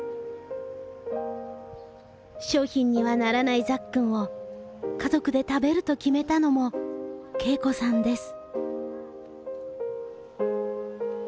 商品にはならないザッくんを家族で食べると決めたのも恵子さんです。